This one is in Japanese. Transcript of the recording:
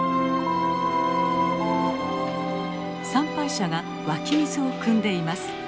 参拝者が湧き水をくんでいます。